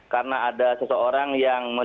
karena ada seseorang yang menyebabkan